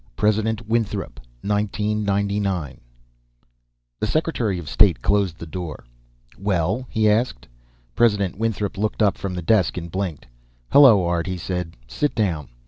President Winthrop 1999 The Secretary of State closed the door. "Well?" he asked. President Winthrop looked up from the desk and blinked. "Hello, Art," he said. "Sit down."